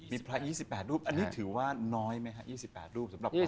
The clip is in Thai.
มีพระยี่สิบแปดรูปอันนี้ถือว่าน้อยไหมครับสำหรับพระพุทธ